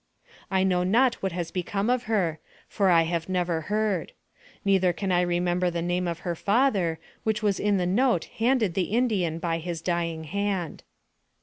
I know not what has become of her, for I have never heard ; neither can I remember the name of her father, which was in the note handed the Indian by his dying hand.